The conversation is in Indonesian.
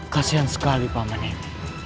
kasian sekali pak mening